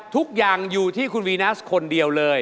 ทุกอย่างอยู่ที่คุณวีนัสคนเดียวเลย